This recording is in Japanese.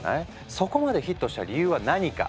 そこまでヒットした理由は何か？